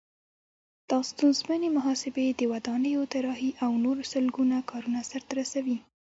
دا ستونزمنې محاسبې، د ودانیو طراحي او نور سلګونه کارونه سرته رسوي.